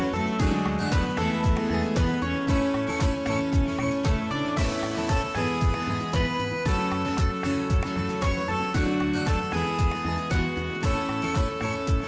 สวัสดีครับสวัสดีครับ